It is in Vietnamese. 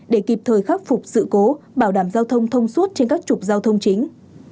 để kịp thời khắc phục sự cố bảo đảm giao thông thông suốt trên các trục giao thông chính